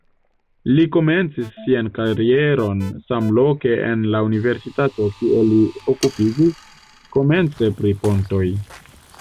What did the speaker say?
Li komencis sian karieron samloke en la universitato, kie li okupiĝis komence pri pontoj.